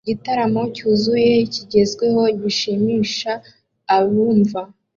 Igitaramo cyuzuye kigezweho gishimisha abumva